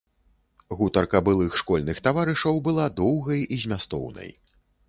Гутарка былых школьных таварышаў была доўгай і змястоўнай.